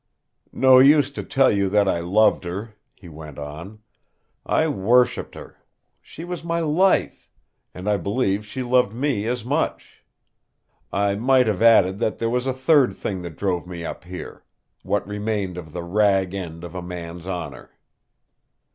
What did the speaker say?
"No use to tell you that I loved her," he went on. "I worshipped her. She was my life. And I believe she loved me as much. I might have added that there was a third thing that drove me up here what remained of the rag end of a man's honor."